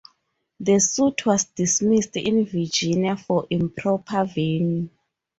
The suit was dismissed in Virginia for improper venue.